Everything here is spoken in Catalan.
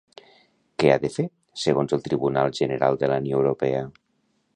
Què ha de fer, segons el Tribunal General de la Unió Europea?